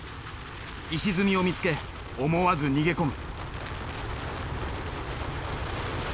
石積みを見つけ思わず逃げ込む。